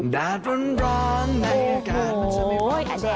ดาดร้อนร้อนในอากาศมันจะไม่ร้อนข้างใจ